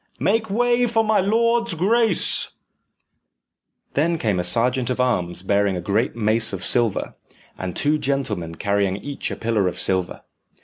make way for my lord's grace." Then came a sergeant of arms bearing a great mace of silver, and two gentlemen carrying each a pillar of silver.